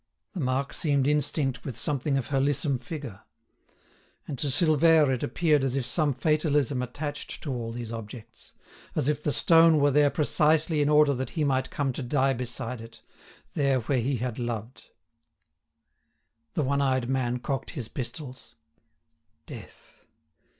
The mark seemed instinct with something of her lissom figure. And to Silvère it appeared as if some fatalism attached to all these objects—as if the stone were there precisely in order that he might come to die beside it, there where he had loved. The one eyed man cocked his pistols. Death!